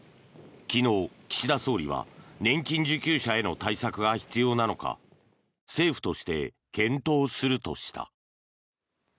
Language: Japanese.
昨日、岸田総理は年金受給者への対策が必要なのか政府として検討するとした。